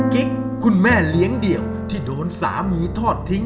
กิ๊กคุณแม่เลี้ยงเดี่ยวที่โดนสามีทอดทิ้ง